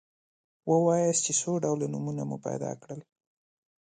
ووایاست چې څو ډوله نومونه مو پیدا کړل.